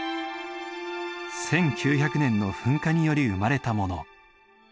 １９００年の噴火により生まれたもの。